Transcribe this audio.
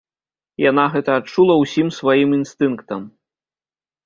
Яна гэта адчула ўсім сваім інстынктам.